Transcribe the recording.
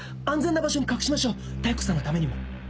安全な場所に隠しましょう妙子さんのためにも。